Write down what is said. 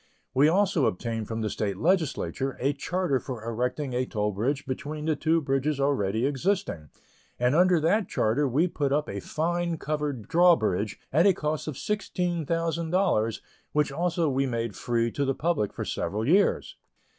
We also obtained from the State Legislature a charter for erecting a toll bridge between the two bridges already existing, and under that charter we put up a fine covered draw bridge at a cost of $16,000 which also we made free to the public for several years.